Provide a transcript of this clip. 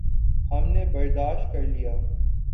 ہم نے برداشت کر لیا۔